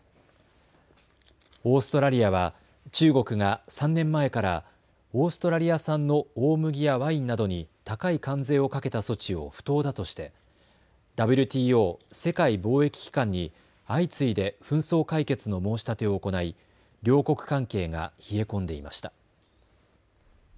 オーストラリアは中国が３年前からオーストラリア産の大麦やワインなどに高い関税をかけた措置を不当だとしてＷＴＯ・世界貿易機関に相次いで紛争解決の申し立てを行い、両国関係が冷え込んでいました。